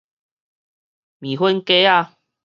麵粉粿仔